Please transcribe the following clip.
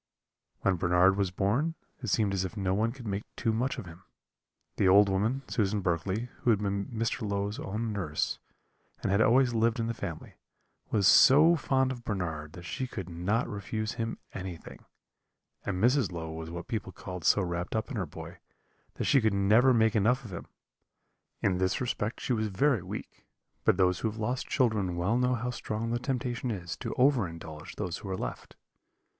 "When Bernard was born, it seemed as if no one could make too much of him. The old woman, Susan Berkley, who had been Mr. Low's own nurse, and had always lived in the family, was so fond of Bernard that she could not refuse him anything; and Mrs. Low was what people call so wrapped up in her boy, that she could never make enough of him. In this respect she was very weak, but those who have lost children well know how strong the temptation is to over indulge those who are left.